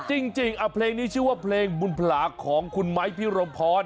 จริงอะเพลงนี้ชื่อว่าเพลงบุญภาระของคุณไมค์พี่รมพร